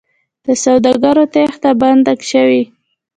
د سوداګرو تېښته بنده شوې؟